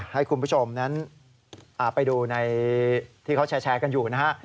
ให้คุณผู้ชมนั้นไปดูในที่เขาแชร์กันอยู่นะฮะ